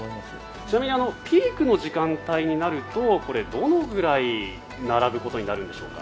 ちなみにピークの時間帯になるとどのぐらい並ぶことになるんでしょうか。